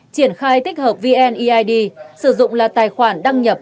triển khai tích hợp vneid sử dụng là tài khoản đăng nhập